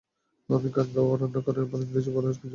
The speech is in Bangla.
আমি গান গাওয়া, রান্না করা, ভালো ইংরেজী বলা, কি জন্য?